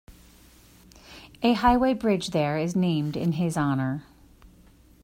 A highway bridge there is named in his honor.